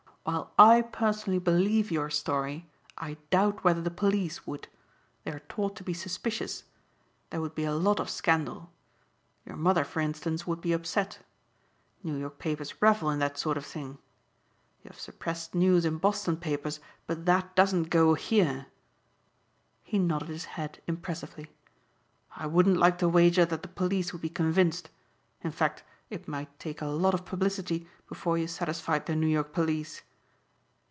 While I personally believe your story I doubt whether the police would. They are taught to be suspicious. There would be a lot of scandal. Your mother, for instance, would be upset. New York papers revel in that sort of thing. You have suppressed news in Boston papers but that doesn't go here." He nodded his head impressively. "I wouldn't like to wager that the police would be convinced. In fact it might take a lot of publicity before you satisfied the New York police."